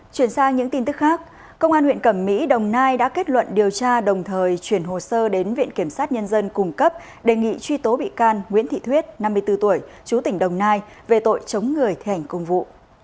chuyển sang những tin tức khác công an huyện cẩm mỹ đồng nai đã kết luận điều tra đồng thời chuyển hồ sơ đến viện kiểm sát nhân dân cung cấp đề nghị truy tố bị can nguyễn thị thuyết năm mươi bốn tuổi chú tỉnh đồng nai về tội chống người thi hành công vụ